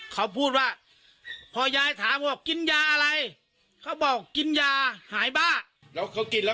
ไปถูกก็ไปที่นี่ก็จะมีช่วยได้สำคัญแล้ว